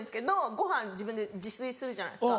ごはん自分で自炊するじゃないですか。